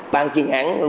bán tiền giả